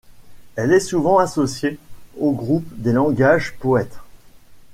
Elle est souvent associée au groupe des Language poets.